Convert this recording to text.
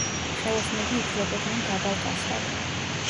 ხელოსნები ითვლებოდნენ დაბალ კასტად.